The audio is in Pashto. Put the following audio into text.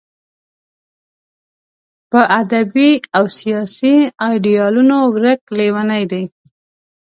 په ادبي او سیاسي ایډیالونو ورک لېونی دی.